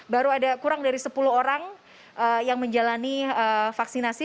baru ada kurang dari sepuluh orang yang menjalani vaksinasi